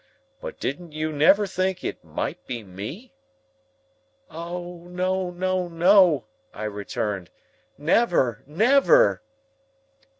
But didn't you never think it might be me?" "O no, no, no," I returned, "Never, never!"